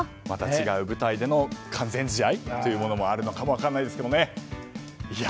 また違う舞台での完全試合もあるのかも分からないですけどね。